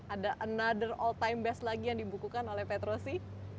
ada another all time best lagi yang dibukukan oleh petrosi